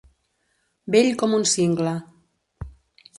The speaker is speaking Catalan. Vell com un cingle.